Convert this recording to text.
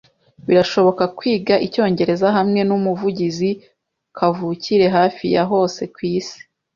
Birashoboka kwiga icyongereza hamwe numuvugizi kavukire hafi ya hose kwisi.